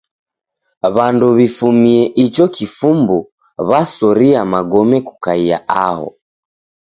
W'andu w'ifumie icho kifumbu w'asoria magome kukaia aho.